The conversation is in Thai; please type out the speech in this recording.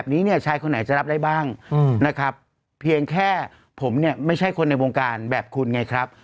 นี้เนี่ยชายคนไหนจะรับได้บ้างนะครับเพียงแค่ผมเนี่ยไม่ใช่คนในวงการแบบคุณไงครับ